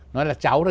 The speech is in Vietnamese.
nói là cháu thôi